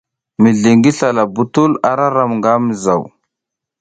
Mizli ngi sla bitul a ram nga mizaw.